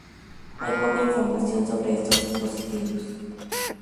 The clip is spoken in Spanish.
Hay poca información sobre estos dispositivos.